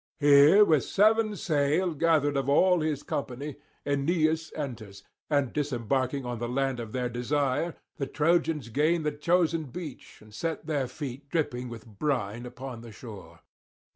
Here with seven sail gathered of all his company Aeneas enters; and disembarking on the land of their desire the Trojans gain the chosen beach, and set their feet dripping with brine upon the shore.